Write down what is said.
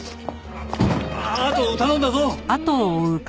あと頼んだぞ！